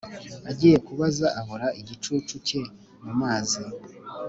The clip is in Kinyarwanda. agiye kubaza abura igicucu cye mumazi